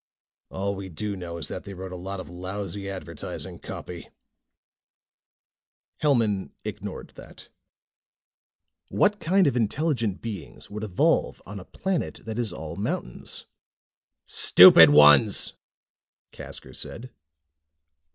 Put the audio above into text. "All we do know is that they wrote a lot of lousy advertising copy." Hellman ignored that. "What kind of intelligent beings would evolve on a planet that is all mountains?" "Stupid ones!" Casker said.